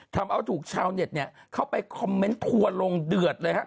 ทำเอาถูกชาวเน็ตเข้าไปคอมเมนต์ถั่วลงเดือดเลยครับ